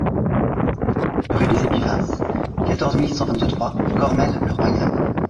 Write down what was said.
Rue des Épivas, quatorze mille cent vingt-trois Cormelles-le-Royal